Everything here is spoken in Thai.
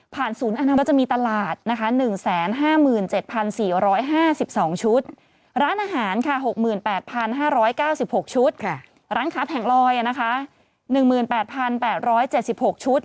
ศูนย์อนามัจจะมีตลาดนะคะ๑๕๗๔๕๒ชุดร้านอาหารค่ะ๖๘๕๙๖ชุดร้านค้าแผงลอย๑๘๘๗๖ชุด